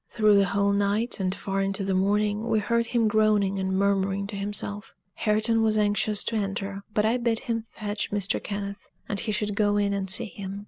Through the whole night, and far into the morning, we heard him groaning and murmuring to himself. Hareton was anxious to enter, but I bid him fetch Mr. Kenneth, and he should go in and see him.